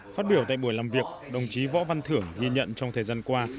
phát biểu tại buổi làm việc đồng chí võ văn thưởng ghi nhận trong thời gian qua